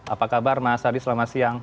apa kabar mas adi selamat siang